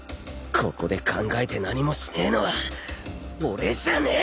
ここで考えて何もしねえのは俺じゃねえ！